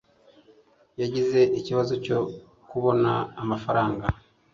yagize ikibazo cyo kubona amafaranga